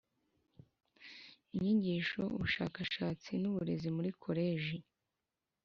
Inyigisho ubushakashatsi n uburezi muri koleji